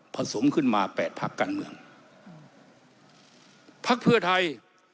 สมขึ้นมาแปดพักการเมืองพักเพื่อไทย